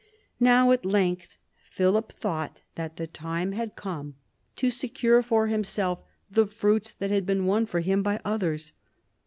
Now, at length, Philip thought that the time had come' to secure for himself the fruits that had been won for him by others.